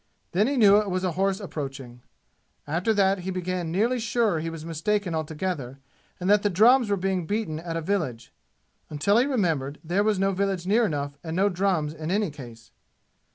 Then he knew it was a horse approaching. After that he became nearly sure he was mistaken altogether and that the drums were being beaten at a village until he remembered there was no village near enough and no drums in any case.